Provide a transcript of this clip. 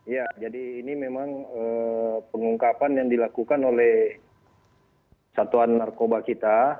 ya jadi ini memang pengungkapan yang dilakukan oleh satuan narkoba kita